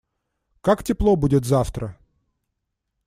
Как тепло будет завтра?